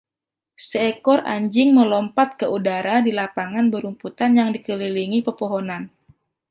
Seekor anjing melompat ke udara di lapangan berumput yang dikelilingi pepohonan.